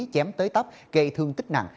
chém tới tấp gây thương tích nặng